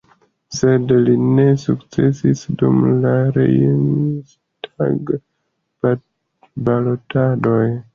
Sed li ne sukcesis dum la Reihstag-balotadoj.